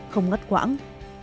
không ngất quãng